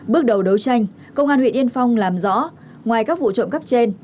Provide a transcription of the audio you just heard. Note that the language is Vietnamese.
bước đầu đấu tranh công an huyện yên phong làm rõ ngoài các vụ trộm cắp trên